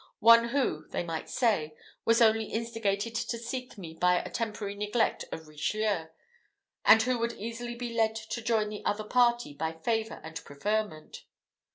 one who, they might say, was only instigated to seek me by a temporary neglect of Richelieu, and who would easily be led to join the other party, by favour and preferment?"